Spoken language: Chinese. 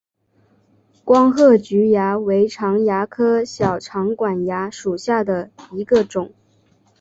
光褐菊蚜为常蚜科小长管蚜属下的一个种。